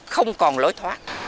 không còn lối thoát